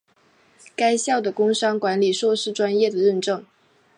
该校的工商管理硕士专业的认证。